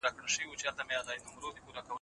دغه مڼه په رښتیا ډېره تازه ده.